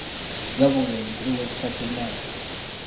Gabunga ye mukulu w’ekika ky’e Mmamba.